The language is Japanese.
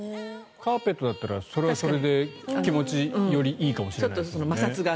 カーペットだったらそれはより気持ちいいかもしれないですね。